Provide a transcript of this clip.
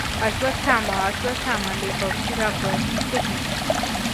अस्वस्थ आत्मा अश्वत्थामा लेख्क सुधाकर शुक्ल